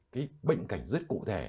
cái bệnh cảnh rất cụ thể